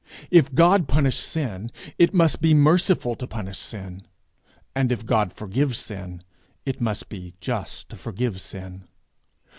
If God punish sin, it must be merciful to punish sin; and if God forgive sin, it must be just to forgive sin.